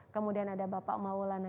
kemudian ada bapak maulana